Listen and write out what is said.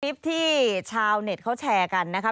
คลิปที่ชาวเน็ตเขาแชร์กันนะคะ